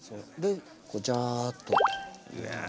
こうジャーッと。